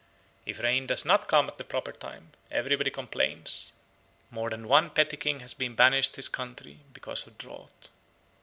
If rain does not come at the proper time, everybody complains. More than one petty king has been banished his country because of drought."